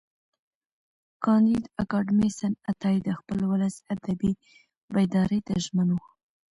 کانديد اکاډميسن عطایي د خپل ولس ادبي بیداري ته ژمن و.